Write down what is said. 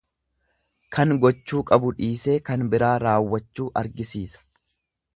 Kan gochuu qabu dhiisee kan biraa raawwachuu argisiisa.